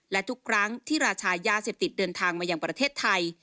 และทุกครั้งที่ราชายาเสพติดเดินทางมายังประเทศไทย